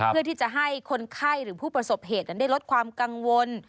เพื่อที่จะให้คนไข้หรือผู้ประสบเหตุนั้นได้ลดความกังวล